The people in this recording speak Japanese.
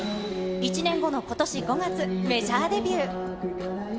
１年後のことし５月、メジャーデビュー。